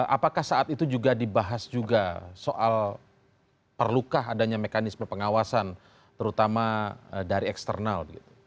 apakah saat itu juga dibahas juga soal perlukah adanya mekanisme pengawasan terutama dari eksternal